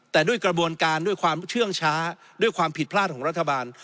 แต่ด้วยกระบวนการด้วยความเชื่องช้าด้วยความผิดพลาดของรัฐบาล